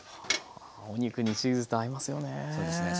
お肉にチーズって合いますよね。